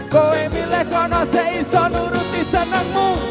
kowe milih kono seiso nuruti senangmu